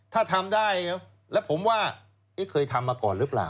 ถ้าทำได้แล้วผมว่าเคยทำมาก่อนหรือเปล่า